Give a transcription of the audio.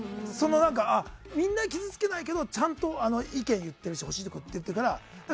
みんなを傷つけないけどちゃんと意見を言ってるし欲しいこと言ってくれるから。